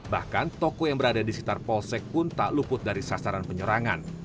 bahkan toko yang berada di sekitar polsek pun tak luput dari sasaran penyerangan